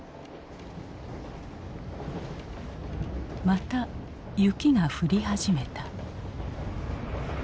また雪が降り始めた。